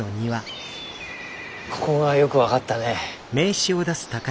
ここがよく分かったね。